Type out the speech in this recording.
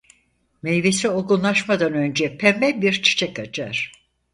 Meyvesi olgunlaşmadan önce pembe bir çiçek açar.